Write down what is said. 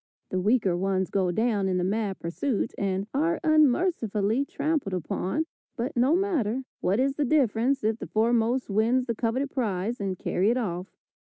The weaker ones go down in the mad pursuit, and are unmercifully trampled upon, but no matter, what is the difference if the foremost win the coveted prize and carry it off.